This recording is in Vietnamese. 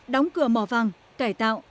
đóng cửa mỏ vàng cải tạo